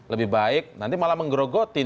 lebih baik nanti malah menggerogotin